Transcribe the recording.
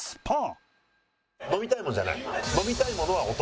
飲みたいものじゃない。